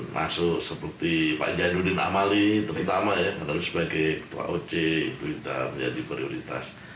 masuk seperti pak jadudin amali terutama ya harus pakai ketua oc itu kita menjadi prioritas